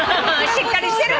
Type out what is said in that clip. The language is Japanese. しっかりしてる！